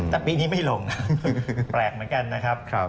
แต่ปีนี้ไม่ลงนะแปลกเหมือนกันนะครับ